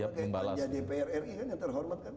sama kayak panja dpr ri yang terhormat kan